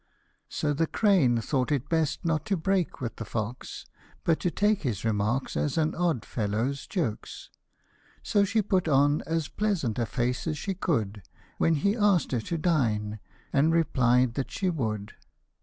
So the crane thought it best not to break with him quite, But to view his remarks in a good natured light. So she put on as pleasant a face as she could When he ask'd her to dine, and replied that she would.